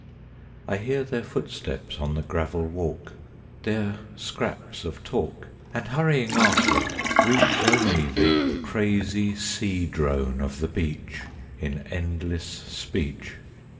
I hear their footsteps on the gravel walk, Their scraps of talk, And hurrying after, reach Only the crazy sea drone of the beach In endless speech.